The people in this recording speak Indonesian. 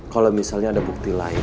kalau misalnya ada bukti lain